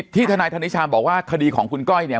ทนายธนิชาบอกว่าคดีของคุณก้อยเนี่ย